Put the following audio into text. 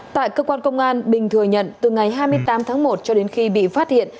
tại cơ quan công an bình thừa nhận từ ngày hai mươi tám tháng một cho đến khi bị phát hiện